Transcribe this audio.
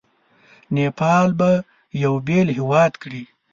نیپال به یو بېل هیواد کړي.